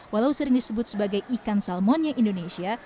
walau sering disebut sebagai ikan salmonnya indonesia